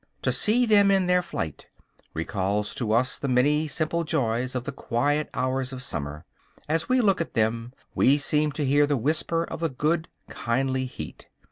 To see them in their flight recalls to us the many simple joys of the quiet hours of summer; as we look at them, we seem to hear the whisper of the good, kindly heat.